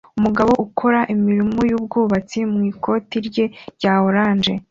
Umugabo ukora imirimo yubwubatsi mu ikoti rye rya orange